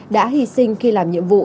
đã hy sinh khi làm nhiệm vụ